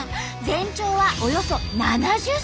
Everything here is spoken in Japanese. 全長はおよそ７０ｃｍ！